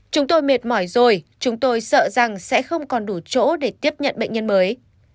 chúng tôi mệt mỏi rồi chúng tôi sợ rằng sẽ không còn đủ chỗ để tiếp nhận bệnh nhân mới